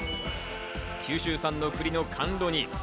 九州産の栗の甘露煮。